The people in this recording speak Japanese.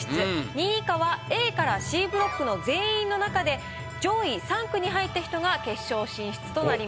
２位以下はＡからＣブロックの全員の中で上位３句に入った人が決勝進出となります。